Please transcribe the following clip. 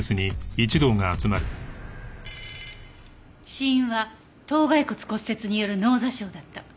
死因は頭蓋骨骨折による脳挫傷だった。